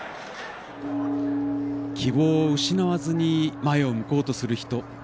希望を失わずに前を向こうとする人。